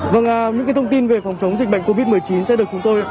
vâng những thông tin về phòng chống dịch bệnh covid một mươi chín sẽ được chúng tôi